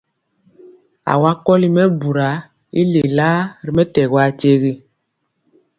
Awa kɔli mɛbura i lelaa ri mɛtɛgɔ akyegi.